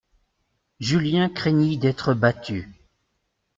Julien craignit d'être battu.